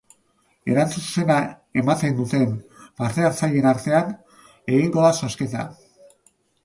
Erantzun zuzena ematen duten parte hartzaileen artean egingo da zozketa.